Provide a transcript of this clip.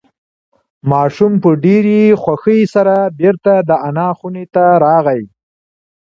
ماشوم په ډېرې خوښۍ سره بیرته د انا خونې ته راغی.